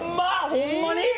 ホンマに？